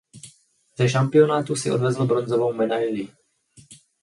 Ze šampionátu si odvezl bronzovou medaili.